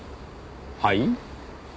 はい？